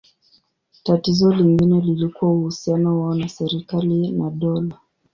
Tatizo lingine lilikuwa uhusiano wao na serikali na dola.